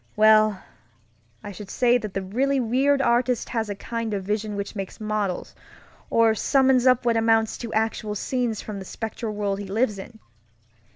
Well, I should say that the really weird artist has a kind of vision which makes models, or summons up what amounts to actual scenes from the spectral world he lives in.